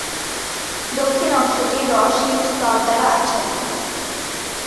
দক্ষিণ অংশটি রস হিম স্তর দ্বারা আচ্ছাদিত।